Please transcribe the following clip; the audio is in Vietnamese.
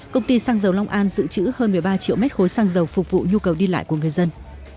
công ty xăng dầu long an dự trữ hơn một mươi ba triệu mét khối xăng dầu phục vụ nhu cầu đi lại của người dân